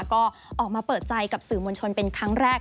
ก็ออกมาเปิดใจกับสื่อมวลชนเป็นครั้งแรก